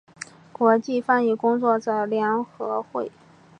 国际翻译工作者联合会